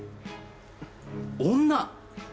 女！